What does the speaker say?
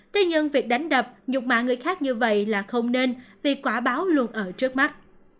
thế nhưng việc đánh đập nhục mạ người khác như vậy là không nên vì quả báo luôn ở trước mắt